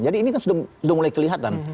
jadi ini kan sudah mulai kelihatan